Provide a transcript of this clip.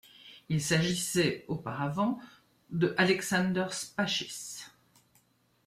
Il s'agissait, auparavant, de Alexander Spachis.